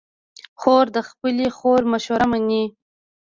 خور د خپلې خور مشوره منې.